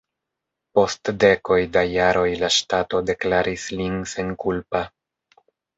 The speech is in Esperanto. Post dekoj da jaroj la ŝtato deklaris lin senkulpa.